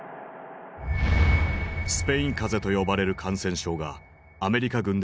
「スペイン風邪」と呼ばれる感染症がアメリカ軍で流行。